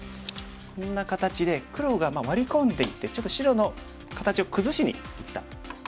こんな形で黒がワリ込んでいってちょっと白の形を崩しにいったところですかね。